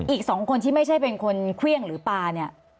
อีก๒คนที่ไม่ใช่เป็นคนเครื่องหรือปลาเนี่ย